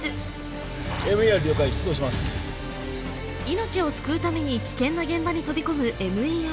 命を救うために危険な現場に飛び込むＭＥＲ